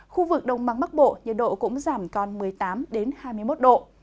khu vực đông bắc bộ nhiệt độ cũng giảm còn một mươi tám hai mươi một độ